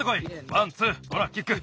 ワンツーほらキック。